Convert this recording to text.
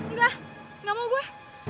enggak enggak mau gue